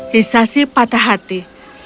hisashi patah hati